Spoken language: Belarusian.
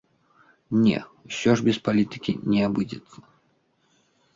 Не, усё ж без палітыкі не абыдзецца.